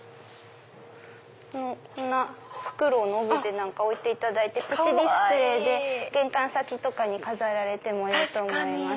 こんなフクロウのオブジェなんか置いていただいてプチディスプレーで玄関先とかに飾られてもいいと思います。